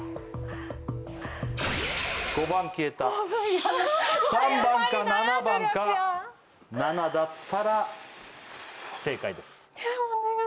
５番消えた３番か７番か７だったら正解ですお願い